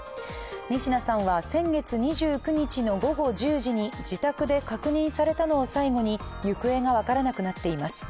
仁科さんは先月２９日の午後１０時に自宅で確認されたのを最後に行方が分からなくなっています。